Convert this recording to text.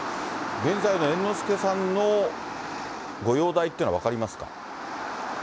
現在の猿之助さんのご容体というのは分かりますか。